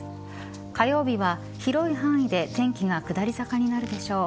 火曜日は広い範囲で天気が下り坂になるでしょう。